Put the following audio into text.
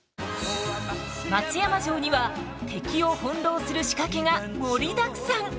松山城には敵を翻弄する仕掛けが盛りだくさん！